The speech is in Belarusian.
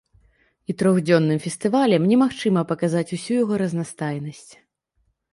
І трохдзённым фестывалем немагчыма паказаць усю яго разнастайнасць.